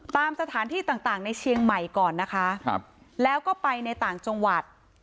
ตามสถานที่ต่างต่างในเชียงใหม่ก่อนนะคะครับแล้วก็ไปในต่างจังหวัด